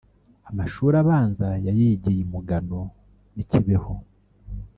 Amashuri abanza yayigiye i Mugano n’i Kibeho